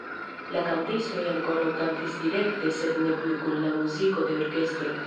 La kantistoj ankoraŭ kantis direkte sed ne plu kun la muziko de orkestro.